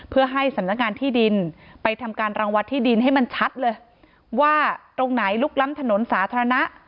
เพื่อให้สำนักงานที่ดินไปทำการรังวัดที่ดินให้มันชัดเลยว่าตรงไหนลุกล้ำถนนสาธารณะ